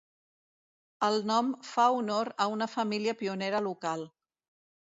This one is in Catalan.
El nom fa honor a una família pionera local.